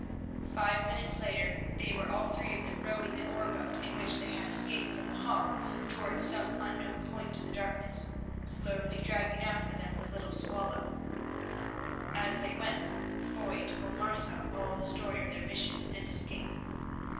Five minutes later they were all three of them rowing the oar boat in which they had escaped from The Hague towards some unknown point in the darkness, slowly dragging after them the little ship Swallow. As they went, Foy told Martha all the story of their mission and escape.